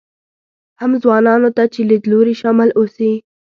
هم ځوانانو ته چې لیدلوري شامل اوسي.